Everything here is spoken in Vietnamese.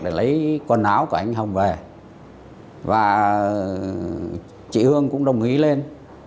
để lấy quần áo của anh hồng về và chị hương cũng đồng ý lên